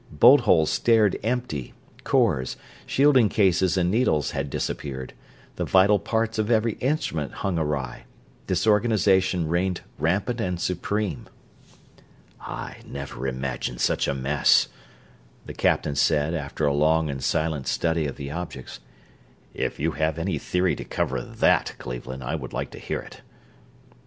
Bolt holes stared empty, cores, shielding cases and needles had disappeared, the vital parts of every instrument hung awry, disorganization reigned rampant and supreme. "I never imagined such a mess," the captain said, after a long and silent study of the objects. "If you have any theory to cover that, Cleveland, I would like to hear it!"